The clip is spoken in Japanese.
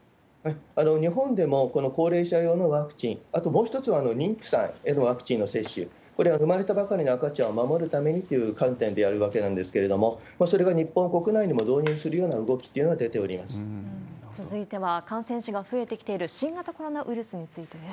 日本でもこの高齢者用のワクチン、あともう一つは妊婦さんへのワクチンの接種、これは産まれたばかりの赤ちゃんを守るためにという観点でやるわけなんですけれども、それが日本国内にも導入するような動きとい続いては、感染児が増えてきている新型コロナウイルスについてです。